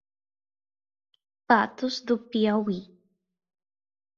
Patos do Piauí